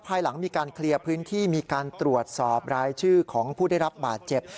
ภายหลังมีการเคลียร์พื้นที่มีการตรวจสอบรายชื่อของผู้ได้รับบาดเจ็บ